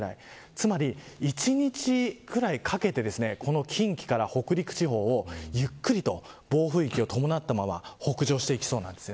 つまり１日ぐらいかけてこの近畿から北陸地方をゆっくりと暴風域を伴ったまま北上していきそうなんです。